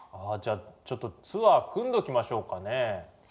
あじゃちょっとツアー組んどきましょうかね。